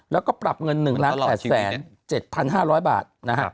แล้วก็ปรับเงิน๑๘๗๕๐๐บาทนะฮะ